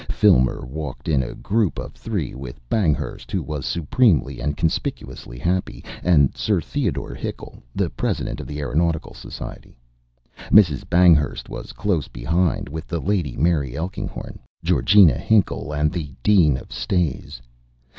Filmer walked in a group of three with Banghurst, who was supremely and conspicuously happy, and Sir Theodore Hickle, the president of the Aeronautical Society. Mrs. Banghurst was close behind with the Lady Mary Elkinghorn, Georgina Hickle, and the Dean of Stays.